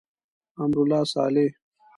امرالله صالح.